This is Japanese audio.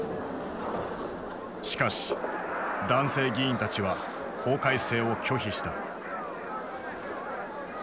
しかし男性議員たちは法改正を拒否した。